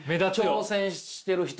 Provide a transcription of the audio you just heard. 挑戦してる人。